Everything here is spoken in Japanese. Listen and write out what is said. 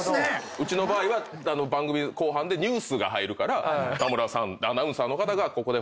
うちの場合は番組後半でニュースが入るから田村さんアナウンサーの方が。